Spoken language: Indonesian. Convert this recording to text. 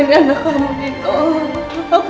enggak enggak enggak